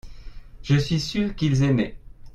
je suis sûr qu'ils aimaient.